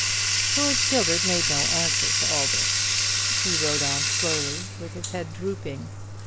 George Gilbert, made no answer to all this. He rode on slowly, with his head drooping.